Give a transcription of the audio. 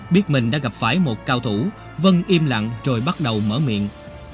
biết mình đã gặp phải một cao thủ vân im lặng rồi bắt đầu mở miệng